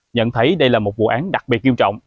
nhận thấy đây là một vụ án đặc biệt nghiêm trọng